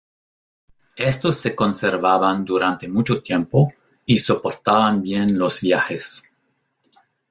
Estos se conservaban durante mucho tiempo y soportaban bien los viajes.